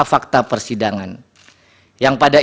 oleh karenanya pada pengaduan ini telah dibuktikan sejumlah faktor